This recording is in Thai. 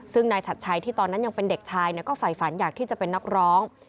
ซึ่งนายชัดชัยที่ตอนนั้นยังเป็นเด็กชายก็ฝ่ายฝันอยากที่จะเป็นนักร้อง